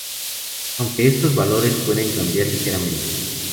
Aunque estos valores pueden cambiar ligeramente.